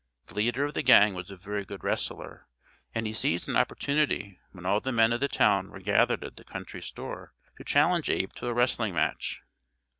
The leader of the gang was a very good wrestler, and he seized an opportunity when all the men of the town were gathered at the country store to challenge Abe to a wrestling match.